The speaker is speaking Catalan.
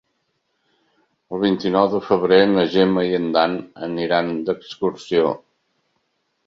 El vint-i-nou de febrer na Gemma i en Dan aniran d'excursió.